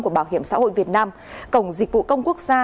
của bảo hiểm xã hội việt nam cổng dịch vụ công quốc gia